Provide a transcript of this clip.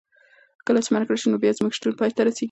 کله چې مرګ راشي نو بیا زموږ شتون پای ته رسېږي.